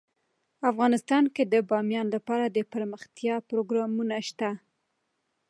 افغانستان کې د بامیان لپاره دپرمختیا پروګرامونه شته.